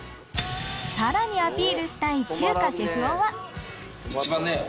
さらにアピールしたい中華シェフ男は一番ね。